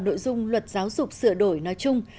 nội dung luật giáo dục sửa đổi nói chung